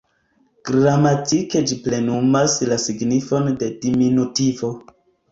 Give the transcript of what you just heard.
Gramatike ĝi plenumas la signifon de diminutivo.